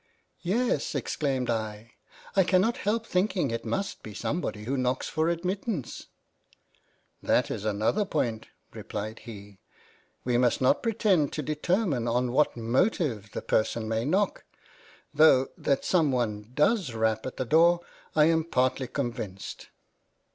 "' Yes (exclaimed I) I cannot help thinking it must be somebody who knocks for admittance.' "" That is another point, (re plied he) we must not pretend to determine on what motive the person may knock — tho' that some one does rap at the door I am partly convinced."